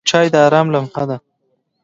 چای د آرام لمحه ده.